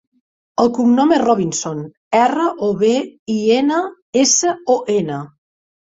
El cognom és Robinson: erra, o, be, i, ena, essa, o, ena.